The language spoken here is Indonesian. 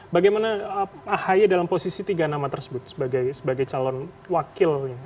bagaimana ahy dalam posisi tiga nama tersebut sebagai calon wakilnya